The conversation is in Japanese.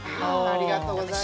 ありがとうございます。